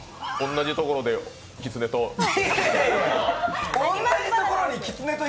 同じところでキツネと。